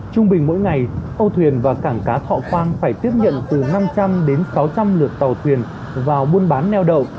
trung bình mỗi ngày âu thuyền và cảng cá thọ quang phải tiếp nhận từ năm trăm linh đến sáu trăm linh lượt tàu thuyền vào buôn bán neo đậu